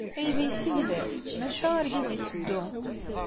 Aydi yesseglaf, maca argaz yetteddu.